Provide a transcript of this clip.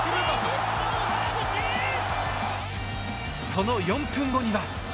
その４分後には。